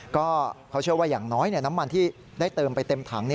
ก็เขาเชื่อว่าอย่างน้อยน้ำมันที่ได้เติมไปเต็มถัง